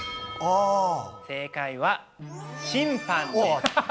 正解は、審判です。